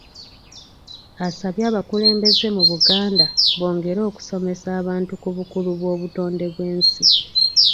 Asabye abakulembeze mu Buganda bongere okusomesa abantu ku bukulu bw’obutonde bw’ensi.